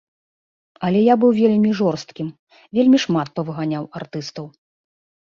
Але я быў вельмі жорсткім, вельмі шмат павыганяў артыстаў.